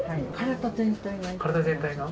体全体が？